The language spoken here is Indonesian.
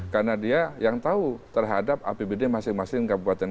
karena dia yang tahu terhadap apbd masing masing kabupaten